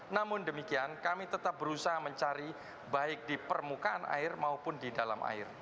namun demikian kami tetap berusaha mencari baik di permukaan air maupun di dalam air